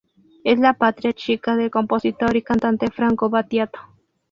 Es la patria chica del compositor y cantante Franco Battiato.